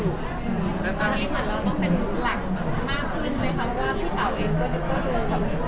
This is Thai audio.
ตอนนี้เหมือนเราต้องเป็นหลักมากขึ้นไหมครับ